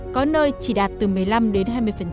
có nơi chỉ đạt từ một mươi năm đến hai mươi